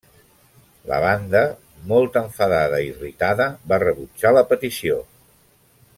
La banda, molt enfadada i irritada, va rebutjar la petició.